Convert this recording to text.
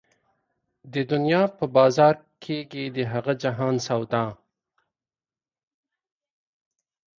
د دنيا په بازار کېږي د هغه جهان سودا